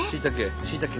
しいたけ。